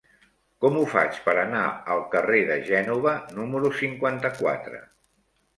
Com ho faig per anar al carrer de Gènova número cinquanta-quatre?